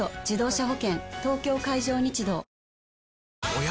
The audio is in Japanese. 東京海上日動おや？